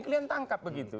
kalian tangkap begitu